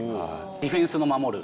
ディフェンスの守る？